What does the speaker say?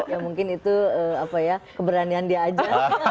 ya mungkin itu apa ya keberanian dia aja